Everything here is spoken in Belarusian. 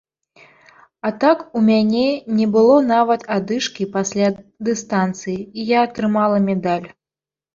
А так у мяне не было нават адышкі пасля дыстанцыі, і я атрымала медаль.